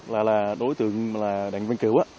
là đối tượng là đại học viên cứu